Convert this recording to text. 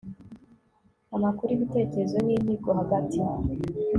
amakuru ibitekerezo n inyigo hagati